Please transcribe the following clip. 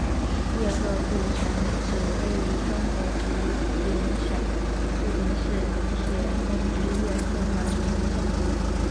叶赫部城址位于中国吉林省四平市铁东区叶赫满族镇。